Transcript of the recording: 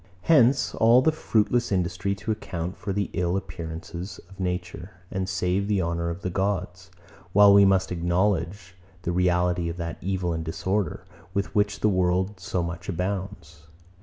Hence all the fruitless industry to account for the ill appearances of nature, and save the honour of the gods; while we must acknowledge the reality of that evil and disorder, with which the world so much abounds.